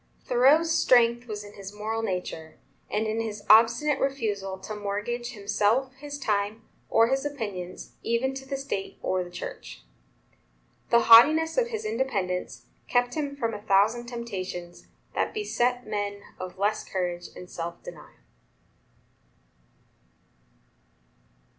Thoreau's strength was in his moral nature, and in his obstinate refusal to mortgage himself, his time, or his opinions, even to the State or the Church. The haughtiness of his independence kept him from a thousand temptations that beset men of less courage and self denial.